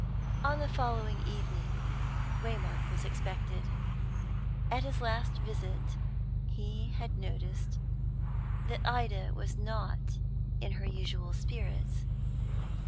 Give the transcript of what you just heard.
On the following evening Waymark was expected. At his last visit he had noticed that Ida was not in her usual spirits.